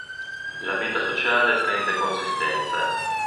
La vita sociale prende consistenza.